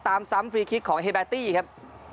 ซ้ำฟรีคลิกของเฮเบตตี้ครับ